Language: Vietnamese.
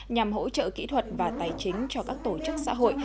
nhằm hỗ trợ kỹ thuật và tài chính cho các tổ chức xã hội